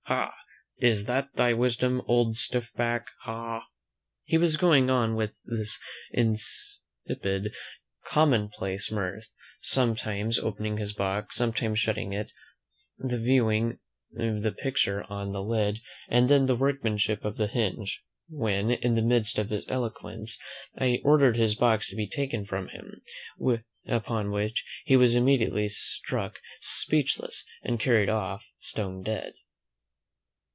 Ha! is that thy wisdom, old stiffback, ha?" He was going on with this insipid commonplace mirth, sometimes opening his box, sometimes shutting it, then viewing the picture on the lid, and then the workmanship of the hinge, when, in the midst of his eloquence, I ordered his box to be taken from him; upon which he was immediately struck speechless, and carried off stone dead.